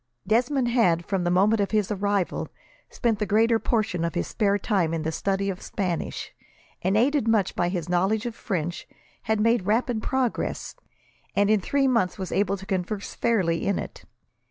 Desmond had, from the moment of his arrival, spent the greater portion of his spare time in the study of Spanish, and, aided much by his knowledge of French, had made rapid progress, and in three months was able to converse fairly in it.